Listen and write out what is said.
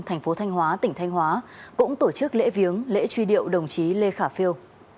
tp thanh hóa tỉnh thanh hóa cũng tổ chức lễ viếng lễ truy điệu đồng chí lê khả phiêu